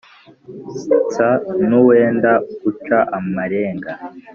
nsa nuwenda guca amarenga,